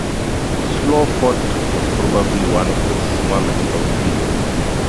Slough Fort was probably one of the smallest of these.